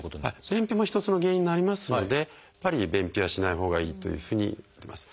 便秘も一つの原因になりますのでやっぱり便秘はしないほうがいいというふうにいわれてます。